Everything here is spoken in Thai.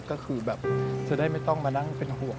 ก็คือแบบจะได้ไม่ต้องมานั่งเป็นห่วง